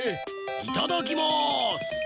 いただきます！